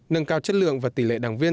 nâng cao chất lượng và tỷ lệ đảng viên